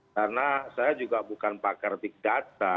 karena saya juga bukan pakar big data